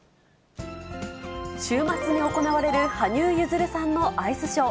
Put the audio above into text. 週末に行われる羽生結弦さんのアイスショー。